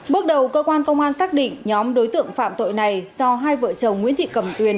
bước đầu cơ quan công an xác định nhóm đối tượng phạm tội này do hai vợ chồng nguyễn thị cầm tuyền